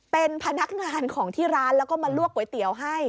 เป็นพนักงานของที่ร้านแล้วก็มาลวกก๋วยเตี๋ยวให้